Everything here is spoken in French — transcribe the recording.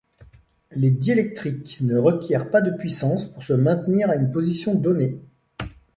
Les diélectriques ne requièrent pas de puissance pour se maintenir à une position donnée.